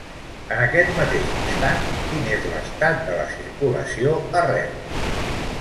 En aquest mateix instant, quin és l'estat de la circulació a Reus?